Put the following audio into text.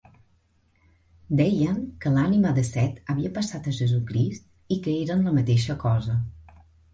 Deien que l'ànima de Set havia passat a Jesucrist i que eren la mateixa cosa.